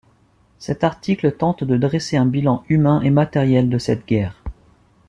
Cet article tente de dresser un bilan humain et matériel de cette guerre.